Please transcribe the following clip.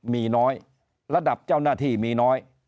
มีน้อยระดับเจ้าหน้าที่มีน้อย